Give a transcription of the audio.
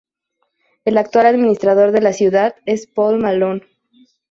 El actual administrador de la ciudad es Paul Malone.